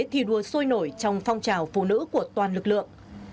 thi đua sôi nổi trong phong trào phụ nữ của toàn lực lượng